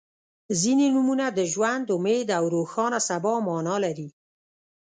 • ځینې نومونه د ژوند، امید او روښانه سبا معنا لري.